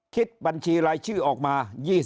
คิดบัญชีรายชื่อออกมา๒๓